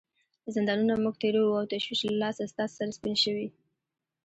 زندانونه موږ تیروو او تشویش له لاسه ستا سر سپین شوی.